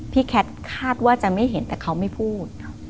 แคทคาดว่าจะไม่เห็นแต่เขาไม่พูด